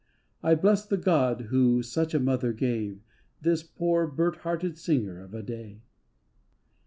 I bless the God Who such a mother gave This poor bird hearted singer of a day.